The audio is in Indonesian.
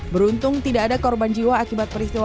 beruntung tidak ada korban jiwa akibat peristiwa